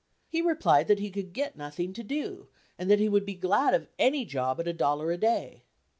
He replied that he could get nothing to do and that he would be glad of any job at a dollar a day.